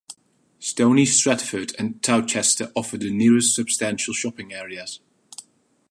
Stony Stratford and Towcester offer the nearest substantial shopping areas.